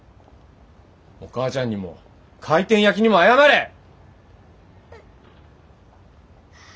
お母ちゃんにも回転焼きにも謝れ！